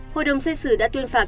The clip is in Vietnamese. hội đồng xây xử đã tuyên phạt